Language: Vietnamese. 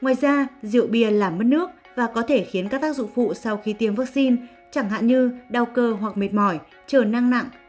ngoài ra rượu bia làm mất nước và có thể khiến các tác dụng phụ sau khi tiêm vaccine chẳng hạn như đau cơ hoặc mệt mỏi chờ năng nặng